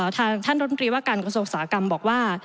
ท่านรัฐมนตรีว่าการกระทรวงอุตสาหกรรมบอกว่า